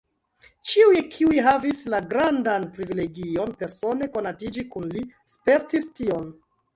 Ĉiuj, kiuj havis la grandan privilegion persone konatiĝi kun li, spertis tion.